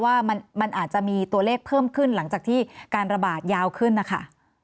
ว่ามันอาจจะมีตัวเลขเพิ่มขึ้นหลังจากที่การระบาดยาวขึ้นนะคะ